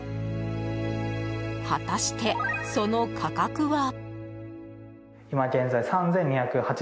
果たしてその価格は。